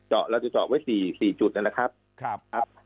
เราจะเจาะไว้๔จุดนั่นแหละครับ